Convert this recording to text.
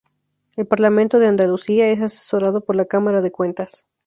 El Parlamento de Andalucía es asesorado por la Cámara de Cuentas.